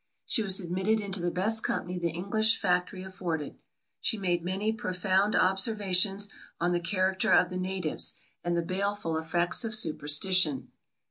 She was admitted into the best company the English factory afforded. She made many profound observations on the character of the natives, and the baleful effects of superstition.